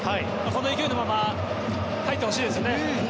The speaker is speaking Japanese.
この勢いのまま入ってほしいですね。